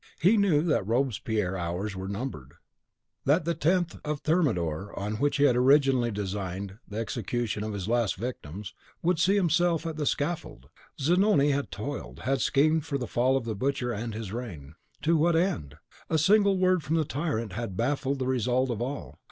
He knew that Robespierre's hours were numbered; that the 10th of Thermidor, on which he had originally designed the execution of his last victims, would see himself at the scaffold. Zanoni had toiled, had schemed for the fall of the Butcher and his reign. To what end? A single word from the tyrant had baffled the result of all.